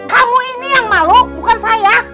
kamu ini yang malu bukan saya